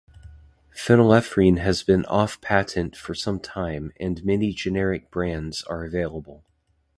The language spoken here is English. Phenylephrine has been off patent for some time, and many generic brands are available.